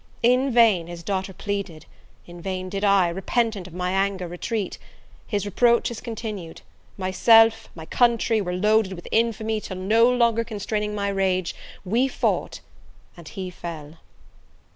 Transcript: In vain his daughter pleaded; in vain did I, repentant of my anger retreat his reproaches continued; myself, my country, were loaded with infamy, till no longer constraining my rage, we fought, and he fell!